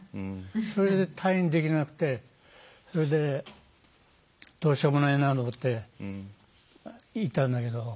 それで退院できなくてそれで、どうしようもないなと思っていたんだけど。